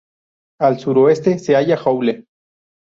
Al suroeste se halla Joule.